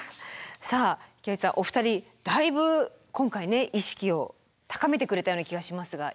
さあ池内さんお二人だいぶ今回意識を高めてくれたような気がしますがいかがですか？